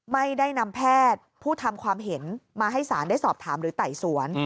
ไม่ได้นำแพทย์ผู้ทำความเห็นมาให้สารได้สอบถามหรือไต่สวน